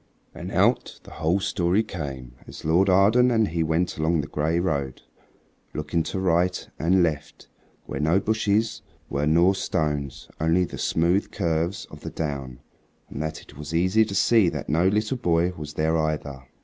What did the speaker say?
And out the whole story came as Lord Arden and he went along the gray road, looking to right and left where no bushes were nor stones, only the smooth curves of the down, so that it was easy to see that no little boy was there either.